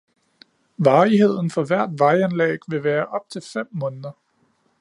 Varigheden for hvert vejanlæg vil være op til fem måneder.